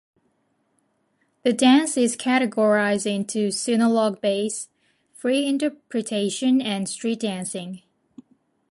The dance is categorized into Sinulog-base, Free-Interpretation, and street dancing.